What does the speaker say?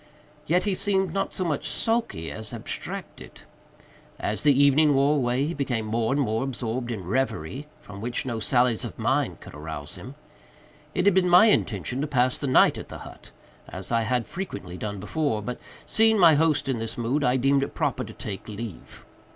Yet he seemed not so much sulky as abstracted. As the evening wore away he became more and more absorbed in reverie, from which no sallies of mine could arouse him. It had been my intention to pass the night at the hut, as I had frequently done before, but, seeing my host in this mood, I deemed it proper to take leave.